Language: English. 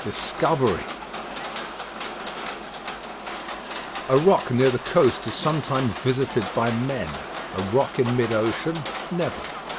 XI DISCOVERY A rock near the coast is sometimes visited by men; a rock in mid ocean never.